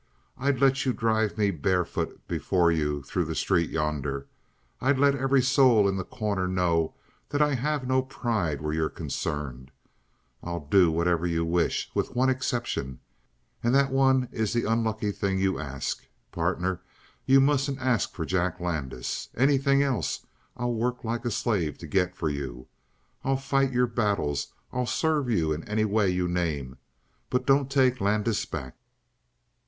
I'd let you drive me barefoot before you through the street yonder. I'd let every soul in The Corner know that I have no pride where you're concerned. I'll do whatever you wish with one exception and that one is the unlucky thing you ask. Pardner, you mustn't ask for Jack Landis! Anything else I'll work like a slave to get for you: I'll fight your battles, I'll serve you in any way you name: but don't take Landis back!"